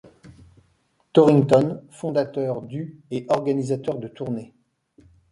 Torrington, fondateur du et organisateur de tournées.